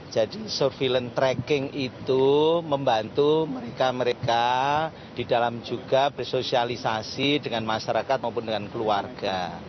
jadi surveillance tracking itu membantu mereka mereka di dalam juga bersosialisasi dengan masyarakat maupun dengan keluarga